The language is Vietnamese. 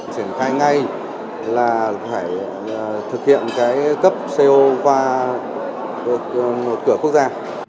sửa khai ngay là phải thực hiện cấp co qua cửa quốc gia